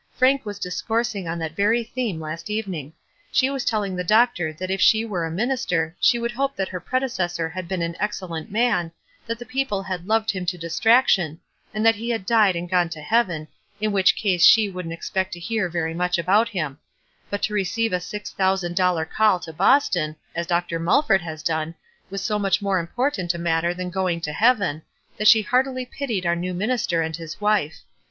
,J Frank was discoursing on that very theme last evening. She was telling the doctor that if she were a minister she would hope that her prede cessor had been an excellent man, that the peo ple had loved him to distraction, and that he had died and gone to heaven, in which case she wouldn't expect to hear very much about him ; but to receive a six thousand dollar call to Bos ton, as Dr. Mulford has done, was so much more important a matter than going to heaven, that she heartily pitied our new minister and his wife.